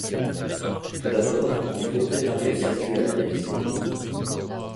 Tout d'abord il faut préparer le circuit à analyser.